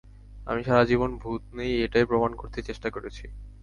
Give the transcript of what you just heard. আমি সারা জীবন ভূত নেই এটাই প্রমাণ করতে চেষ্টা করেছি।